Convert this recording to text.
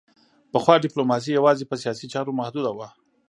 پخوا ډیپلوماسي یوازې په سیاسي چارو محدوده وه